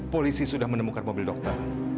polisi sudah menemukan mobil dokter